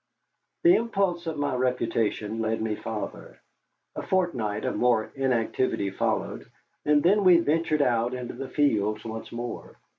The impulse of my reputation led me farther. A fortnight of more inactivity followed, and then we ventured out into the fields once more.